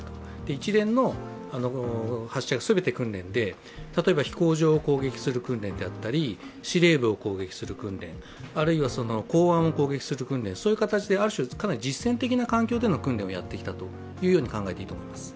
一連の発射が全て訓練で例えば飛行場を攻撃する訓練であったり司令部を攻撃する訓練、あるいは港湾を攻撃する訓練、そういう形である種かなり実戦的な環境での訓練をやってきたと考えていいと思います。